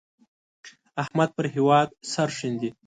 احمد پر هېواد سرښندي.